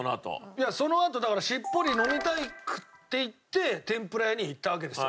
いやそのあとだから「しっぽり飲みたい」って言って天ぷら屋に行ったわけですよ。